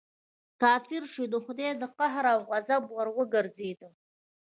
کافر شوې د خدای د قهر او غضب وړ وګرځېدې.